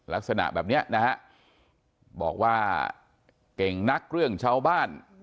ลักษณะแบบนี้นะฮะบอกว่าเก่งนักเรื่องชาวบ้าน